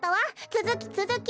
つづきつづき！